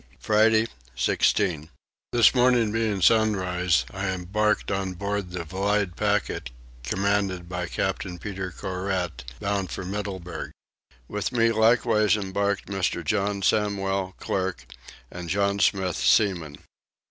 Friday 16. This morning being sunrise I embarked on board the Vlydte packet commanded by Captain Peter Couvret, bound for Middleburgh. With me likewise embarked Mr. John Samwell, clerk, and John Smith, seaman.